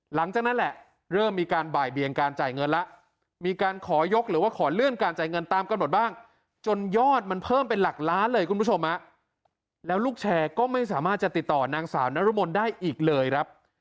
หลังจากนั้นแหละเริ่มมีการบ่ายเบียงการจ่ายเงินแล้วมีการขอยกหรือว่าขอเลื่อนการจ่ายเงินตามกำหนดบ้างจนยอดมันเพิ่มเป็นหลักล้านเลยคุณผู้ชมแล้วลูกแชร์ก็ไม่สามารถจะติดต่อนางสาวนรมนได้อีกเลยครับ